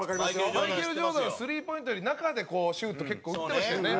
マイケル・ジョーダンはスリーポイントに中で、シュート結構、打ってましたよね。